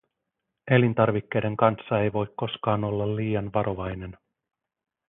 Elintarvikkeiden kanssa ei voi koskaan olla liian varovainen.